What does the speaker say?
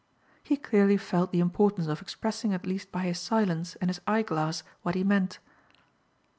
He clearly felt the importance of expressing at least by his silence and his eye glass what he meant.